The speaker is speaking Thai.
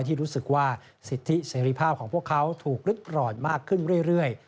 ที่รู้สึกว่าสิทธิเสรีภาพของพวกเขาถูกริดร้อนมากขึ้นเรื่อย